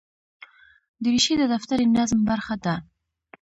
دریشي د دفتري نظم برخه ده.